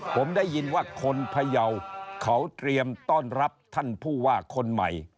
ผมได้ยินว่าคนพยาวเขาเตรียมต้อนรับท่านผู้ว่าคนใหม่